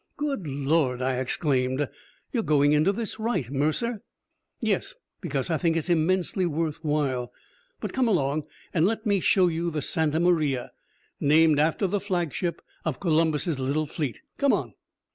"Good Lord!" I exclaimed. "You're going into this right, Mercer!" "Yes. Because I think it's immensely worth while. But come along and let me show you the Santa Maria named after the flagship of Columbus' little fleet. Come on!"